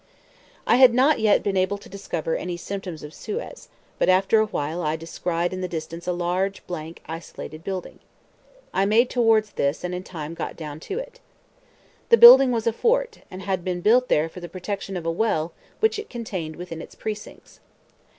I had not yet been able to discover any symptoms of Suez, but after a while I descried in the distance a large, blank, isolated building. I made towards this, and in time got down to it. The building was a fort, and had been built there for the protection of a well which it contained within its precincts.